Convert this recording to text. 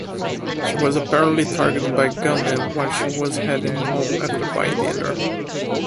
She was apparently targeted by gunmen while she was heading home after buying dinner.